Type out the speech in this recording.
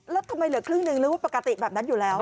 แล้วทำไมเหลือครึ่งหนึ่งหรือว่าปกติแบบนั้นอยู่แล้ว